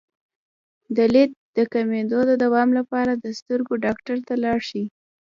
د لید د کمیدو د دوام لپاره د سترګو ډاکټر ته لاړ شئ